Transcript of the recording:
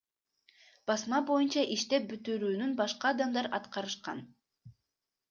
Басма боюнча иштеп бүтүрүүнү башка адамдар аткарышкан.